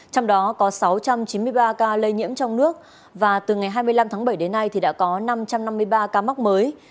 trong đó có sáu trăm chín mươi ba ca lây nhiễm trong nước và từ ngày hai mươi năm tháng bảy đến nay đã có năm trăm năm mươi ba ca mắc mới